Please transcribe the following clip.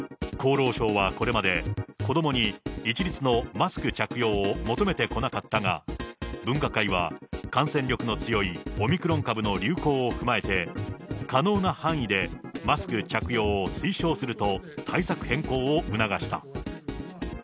厚労省はこれまで、子どもに一律のマスク着用を求めてこなかったが、分科会は、感染力の強いオミクロン株の流行を踏まえて、可能な範囲でマスク着用を推奨すると対策変更を促した。